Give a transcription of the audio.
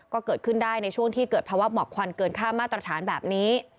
ก็เกิดขึ้นได้ในช่วงที่เกิดภาวะหมอกควันเกินค่ามาตรฐานแบบนี้